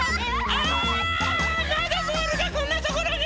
あまだボールがこんなところに！